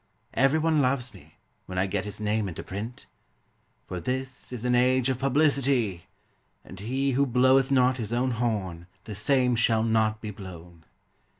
Every one loves me When I get his name into print For this is an age of publicity And he who bloweth not his own horn The same shall not be blown.